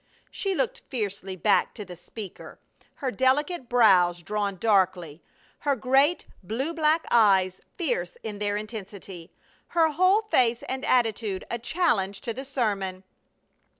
She looked fiercely back to the speaker, her delicate brows drawn darkly, her great blue black eyes fierce in their intensity, her whole face and attitude a challenge to the sermon.